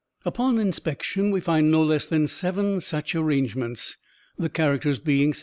Upon inspection, we find no less than seven such arrangements, the characters being ;48.